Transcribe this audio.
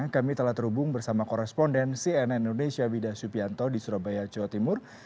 kami telah terhubung bersama koresponden cnn indonesia wida subianto di surabaya jawa timur